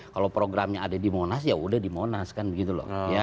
kalau programnya ada di monas ya udah di monas kan begitu loh